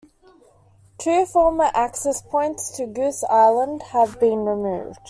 Two former access points to Goose Island have been removed.